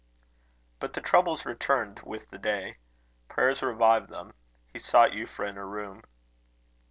But the troubles returned with the day. Prayers revived them. He sought Euphra in her room.